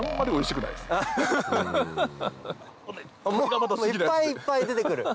いっぱいいっぱい出て来る。